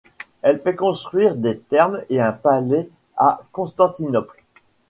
Elle fait construire des thermes et un palais à Constantinople.